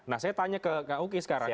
nah saya tanya ke kak uki sekarang